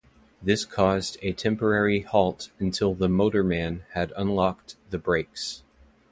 This caused a temporary halt until the motorman had unlocked the brakes.